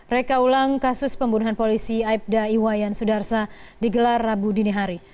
rekaulang kasus pembunuhan polisi aibda iwayan sudarsa di gelar rabu dinihari